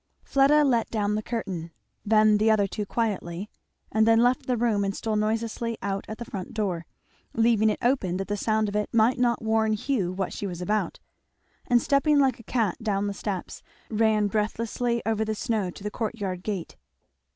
Fleda let down the curtain, then the other two quietly, and then left the room and stole noiselessly out at the front door, leaving it open that the sound of it might not warn Hugh what she was about, and stepping like a cat down the steps ran breathlessly over the snow to the courtyard gate.